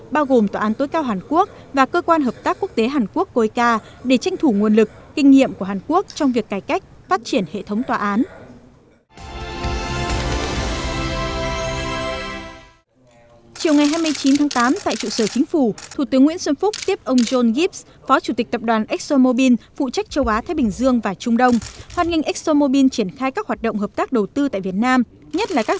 bao gồm tòa án tối cao hàn quốc và cơ quan hợp tác quốc tế hàn quốc côi ca để tranh thủ nguồn lực kinh nghiệm của hàn quốc trong việc cải cách phát triển hệ thống tòa án